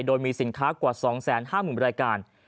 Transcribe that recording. โดยมีสินค้ากว่า๒๕๐๐๐รายการ